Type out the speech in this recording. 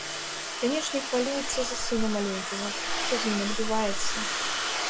Канешне, хвалюецца за сына маленькага, што з ім адбываецца.